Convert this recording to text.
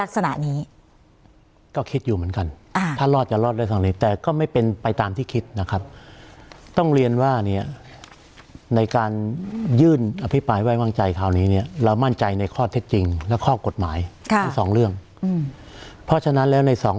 สถิติภัณฑ์ธนาทมนุษย์มาตร๑๘๔๐๓อคล